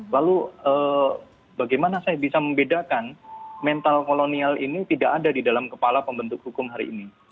lalu bagaimana saya bisa membedakan mental kolonial ini tidak ada di dalam kepala pembentuk hukum hari ini